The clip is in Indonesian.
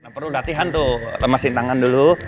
perlu latihan tuh lemasin tangan dulu